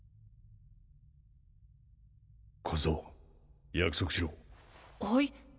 小僧約束しろはい？